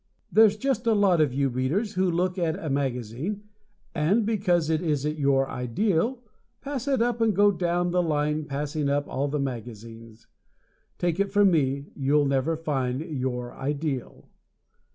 There's just a lot of you Readers who look at a magazine, and, because it isn't your ideal, pass it up and go down the line passing up all the magazines. Take it from me, you'll never find your ideal.